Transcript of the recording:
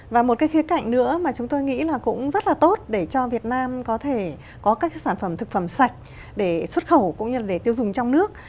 và một cái khía cạnh nữa mà chúng tôi nghĩ là cũng rất là tốt để cho việt nam có thể có các sản phẩm thực phẩm sạch để xuất khẩu cũng như để tiêu dùng trong nước